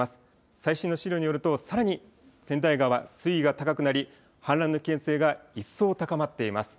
最新の資料によると、さらに千代川、水位が高くなり、氾濫の危険性が一層高まっています。